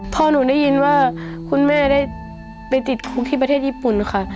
พ่อหนูได้ยินว่าคุณแม่ได้ไปติดคุกที่ประเทศญี่ปุ่นค่ะ